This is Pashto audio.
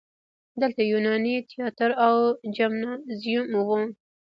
دلته یوناني تیاتر او جیمنازیوم و